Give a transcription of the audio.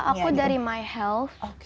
aku dari my health